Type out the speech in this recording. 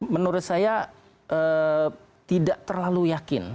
menurut saya tidak terlalu yakin